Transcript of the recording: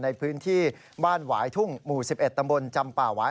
ในพื้นที่บ้านหวายทุ่งหมู่๑๑ตำบลจำป่าหวาย